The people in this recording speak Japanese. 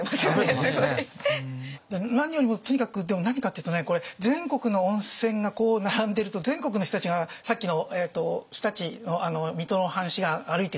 何よりもとにかく何かっていうとね全国の温泉が並んでると全国の人たちがさっきの常陸の水戸の藩士が歩いていくって。